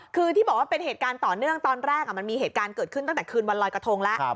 คือที่บอกว่าเป็นเหตุการณ์ต่อเนื่องตอนแรกมันมีเหตุการณ์เกิดขึ้นตั้งแต่คืนวันลอยกระทงแล้ว